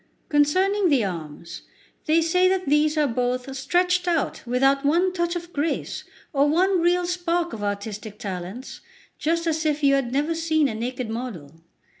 Concerning the arms, they say that these are both stretched out without one touch of grace or one real spark of artistic talents, just as if you had never seen a naked model.